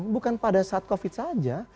bukan pada saat covid saja